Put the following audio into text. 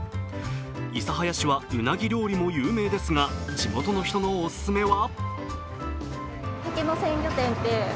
諫早市はうなぎ料理も有名ですが、地元の人のオススメは？